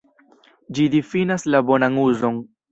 Ĝi difinas la "bonan uzon".